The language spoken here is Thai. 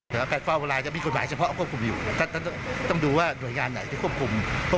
เพื่อการใช้วิจัยในห้องปรับดักการ